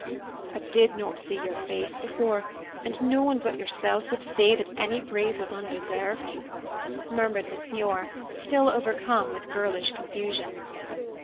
"I did not see your face before, and no one but yourself would say that any praise was undeserved," murmured Miss Muir, still overcome with girlish confusion.